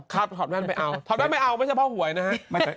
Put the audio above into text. ถอดแว่นไม่เอาถอดแว่นไม่เอาไม่ใช่เพราะหวยนะฮะ